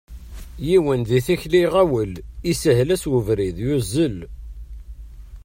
Yiwen di tikli iɣawel, ishel-as ubrid, yuzzel.